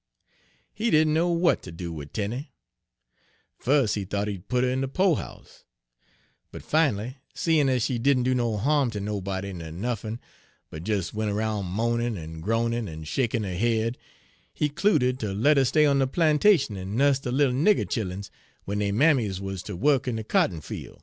He didn' know w'at ter do wid Tenie: fus' he thought he'd put her in de po'house; but fin'ly, seein' ez she didn' do no harm ter nobody ner nuffin, but des went 'roun' moanin', en groanin', en shakin' her head, he 'cluded ter let her stay on de plantation en nuss de little nigger chilluns w'en dey mammies wuz ter wuk in de cotton fiel'.